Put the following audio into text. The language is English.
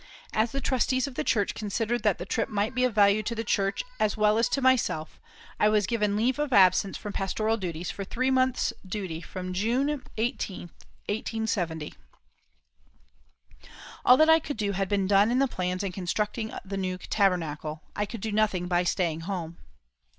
As the trustees of the church considered that the trip might be of value to the church as well as to myself, I was given "leave of absence from pastoral duties" for three months' duty from June 18, 1870. All that I could do had been done in the plans in constructing the new Tabernacle. I could do nothing by staying at home.